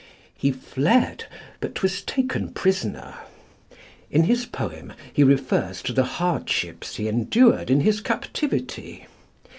He fled, but was taken prisoner. In his poem he refers to the hardships he endured in his captivity.